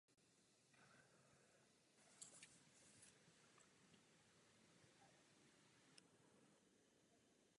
Jeden z dochovaných letounů je umístěn i v leteckém muzeu Kbely.